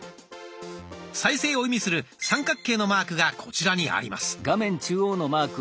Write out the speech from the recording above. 再生を意味する三角形のマークがこちらにあります。